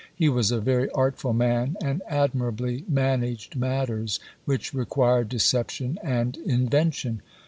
He was a very artful man, and admirably managed matters which required deception and invention.